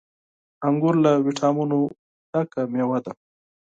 • انګور له ويټامينونو ډک مېوه ده.